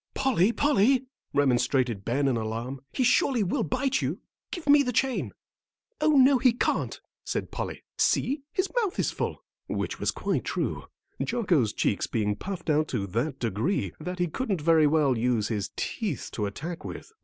"Polly, Polly," remonstrated Ben in alarm, "he surely will bite you; give me the chain." "Oh, no, he can't," said Polly. "See, his mouth is full," which was quite true, Jocko's cheeks being puffed out to that degree that he couldn't very well use his teeth to attack with.